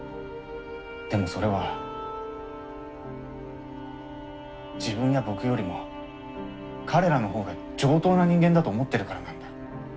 でもそれは自分や僕よりも彼らの方が上等な人間だと思ってるからなんだ。